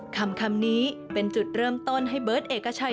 คำนี้เป็นจุดเริ่มต้นให้เบิร์ตเอกชัย